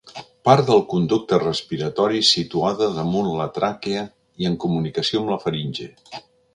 Part del conducte respiratori situada damunt la tràquea i en comunicació amb la faringe.